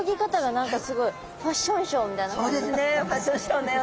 そうですねファッションショーのような。